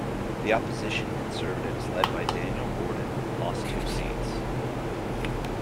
The opposition Conservatives, led by Daniel Gordon, lost two seats.